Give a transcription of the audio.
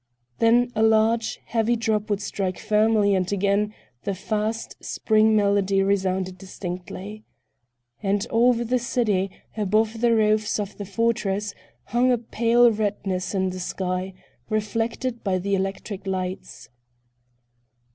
Then a large, heavy drop would strike firmly and again the fast, spring melody resounded distinctly. And over the city, above the roofs of the fortress, hung a pale redness in the sky reflected by the electric lights.